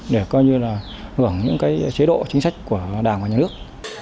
để hưởng những chế độ chính sách của đảng và nhà nước